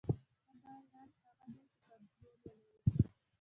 ښه بالر هغه دئ، چي کنټرول ولري.